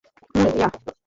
হুম, yeah.